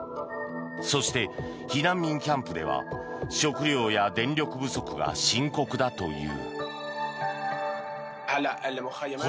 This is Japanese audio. そして避難民キャンプでは食料や電力不足が深刻だという。